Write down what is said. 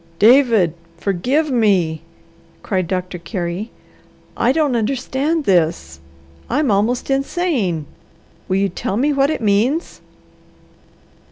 "David, forgive me!" cried Doctor Carey. "I don't understand this. I'm almost insane. Will you tell me what it means?"